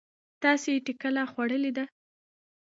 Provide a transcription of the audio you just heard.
تاسې ټکله خوړلې ده؟